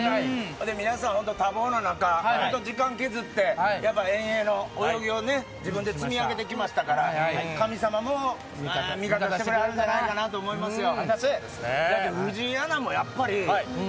皆さん本当多忙な中、本当時間削って、やっぱ、遠泳の泳ぎをね、自分で積み上げてきましたから、神様も味方してくれはるんじゃないかなと思いますよ。